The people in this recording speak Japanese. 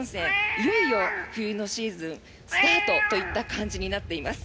いよいよ冬のシーズンがスタートといった感じになっています。